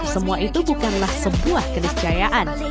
semua itu bukanlah sebuah keniscayaan